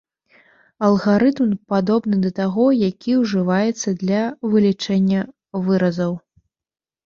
Алгарытм падобны да таго, які ўжываецца для вылічэння выразаў.